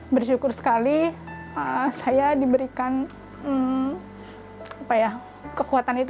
bersyukur sekali saya diberikan kekuatan itu